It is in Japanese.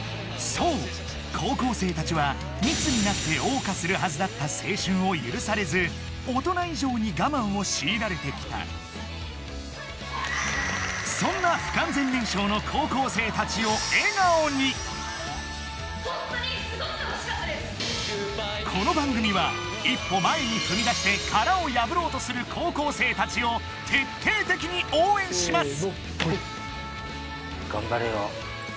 そう高校生たちは密になって謳歌するはずだった青春を許されず大人以上に我慢を強いられてきたそんな不完全燃焼の高校生たちを笑顔にこの番組は一歩前に踏み出して殻を破ろうとする高校生たちを徹底的に応援します